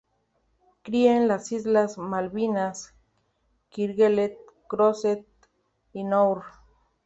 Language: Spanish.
Cría en las islas Malvinas, Kerguelen, Crozet y Noir.